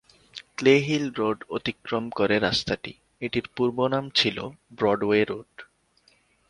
Clay Hill Road অতিক্রম করে রাস্তাটি, এটির পূর্বনাম ছিল ব্রডওয়ে রোড।